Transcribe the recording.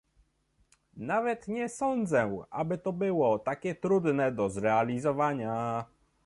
Nawet nie sądzę, aby to było takie trudne do zrealizowania